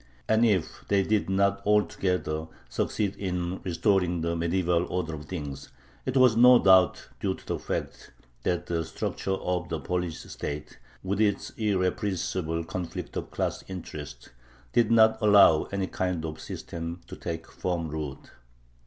And if they did not altogether succeed in restoring the medieval order of things, it was no doubt due to the fact that the structure of the Polish state, with its irrepressible conflict of class interests, did not allow any kind of system to take firm root.